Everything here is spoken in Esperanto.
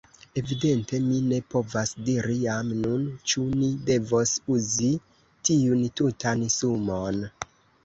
Evidente mi ne povas diri jam nun, ĉu ni devos uzi tiun tutan sumon.